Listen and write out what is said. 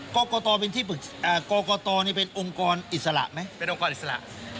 กรกตเป็นองค์กรอิสระไหมเป็นองค์กรอิสระ